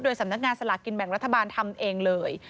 สำนักงานสลากกินแบ่งรัฐบาลทำเองเลย